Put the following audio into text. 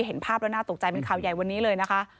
เห็นภาพแล้วน่าตกใจเป็นข่าวใหญ่วันนี้เลยนะคะ